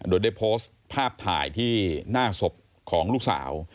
โดยได้โพสต์ภาพถ่ายที่หน้าศพของลูกสาว